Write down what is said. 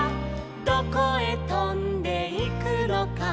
「どこへとんでいくのか」